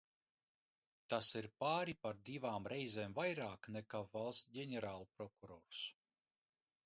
Tas ir pāri par divām reizēm vairāk nekā valsts ģenerālprokurors.